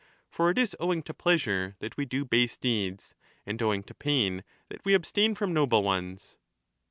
For it is owing to pleasure that we do base deeds, and owing to pain that we abstain from noble ones.